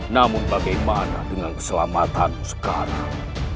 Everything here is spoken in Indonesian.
namun bagaimana dengan keselamatan sekarang